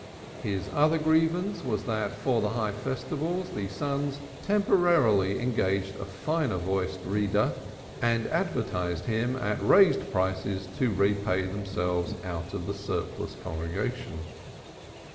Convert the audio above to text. His other grievance was that for the High Festivals the Sons temporarily engaged a finer voiced Reader and advertised him at raised prices to repay themselves out of the surplus congregation.